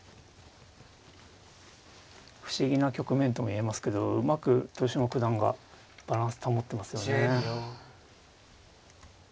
不思議な局面とも言えますけどうまく豊島九段がバランス保ってますよね。